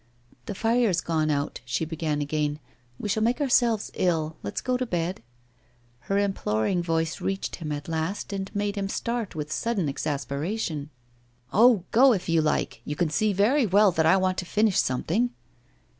'The fire's gone out,' she began again, 'we shall make ourselves ill; let's go to bed.' Her imploring voice reached him at last, and made him start with sudden exasperation. 'Oh! go if you like! You can see very well that I want to finish something!